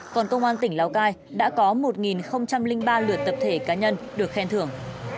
còn công an tỉnh lào cai đã có một ba lượt tập thể cá nhân được khen thưởng